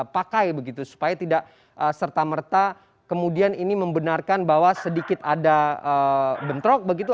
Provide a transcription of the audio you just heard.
pakai begitu supaya tidak serta merta kemudian ini membenarkan bahwa sedikit ada bentrok begitu